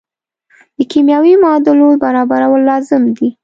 د کیمیاوي معادلو برابرول لازم دي.